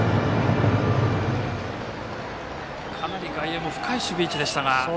かなり外野も深い守備位置でしたが。